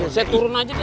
saya turun aja deh